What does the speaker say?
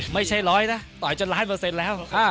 ไม่ใช่ร้อยนะต่อยจนล้านเปอร์เซ็นต์แล้ว